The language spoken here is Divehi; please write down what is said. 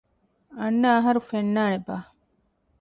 އަންނަ އަހަރު ފެންނާނެބާ؟